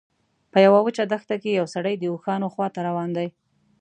په یوه وچه دښته کې یو سړی د اوښانو خواته روان دی.